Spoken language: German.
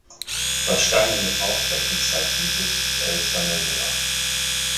Das steinerne Taufbecken zeigt Jesus mit elf seiner Jünger.